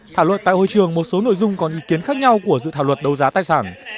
thảo luận tại hội trường một số nội dung còn ý kiến khác nhau của dự thảo luật đấu giá tài sản